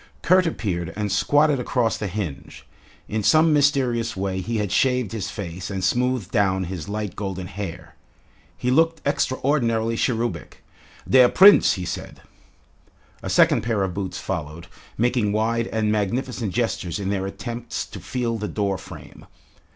Kurt appeared and squatted across the hinge. In some mysterious way he had shaved his face and smoothed down his light golden hair. He looked extraordinarily cherubic. "Der Prinz," he said. A second pair of boots followed, making wide and magnificent gestures in their attempts to feel the door frame.